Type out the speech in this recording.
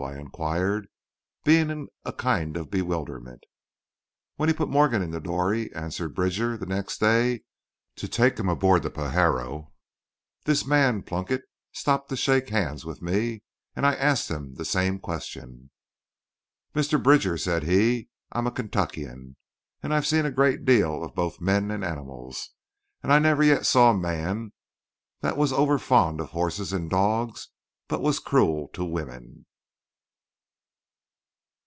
I inquired, being in a kind of bewilderment. "When he put Morgan in the dory," answered Bridger, "the next day to take him aboard the Pajaro, this man Plunkett stopped to shake hands with me and I asked him the same question." "'Mr. Bridger,' said he, 'I'm a Kentuckian, and I've seen a great deal of both men and animals. And I never yet saw a man that was overfond of horses and dogs but what was cruel to women.